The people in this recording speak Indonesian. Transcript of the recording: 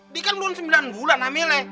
dia kan duluan sembilan bulan hamilnya